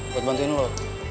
buat bantuin lo